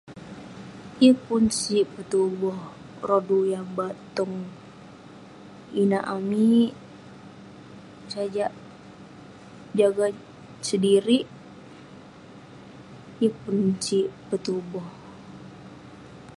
yeng pun sik petuboh rodu yah bat tong inak amik, sajak jaga sedirik, yeng pun sik petuboh,